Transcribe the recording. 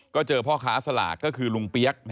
ก็เจอพ่อค้าสลากก็คือลุงเปี๊ยก